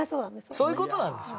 そういう事なんですよ。